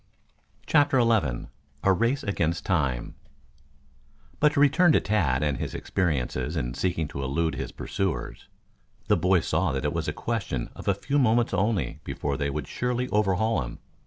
CHAPTER XI A RACE AGAINST TIME But to return to Tad and his experiences in seeking to elude his pursuers. The boy saw that it was a question of a few moments only before they would surely overhaul him.